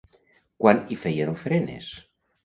Quan hi feien ofrenes?